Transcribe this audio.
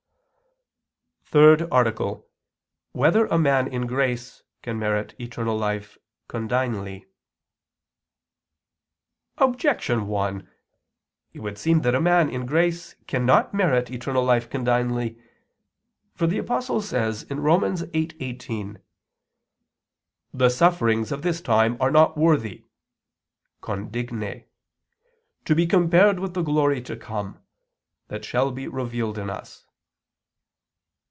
________________________ THIRD ARTICLE [I II, Q. 114, Art. 3] Whether a Man in Grace Can Merit Eternal Life Condignly? Objection 1: It would seem that a man in grace cannot merit eternal life condignly, for the Apostle says (Rom. 8:18): "The sufferings of this time are not worthy (condignae) to be compared with the glory to come, that shall be revealed in us."